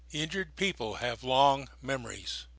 INJURED PEOPLE HAVE LONG MEMORIES.